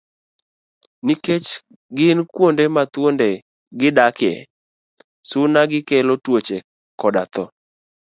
Nikech gin kuonde ma thuonde gi t dakie, suna gikelo tuoche koda tho.